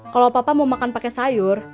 kalau papa mau makan pake sayur